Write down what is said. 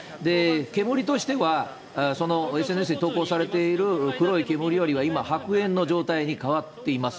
煙としては、ＳＮＳに投稿されている黒い煙よりは今、白煙の状態に変わっています。